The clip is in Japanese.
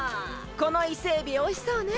このイセエビおいしそうね！